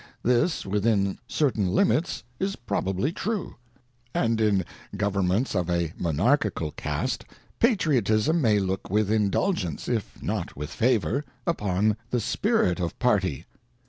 ŌĆö This within certain limits is probably true ŌĆö and in Gov ernments of a Monarchical cast. Patriotism may look with indulgence, if not with favour, upon the spirit of party.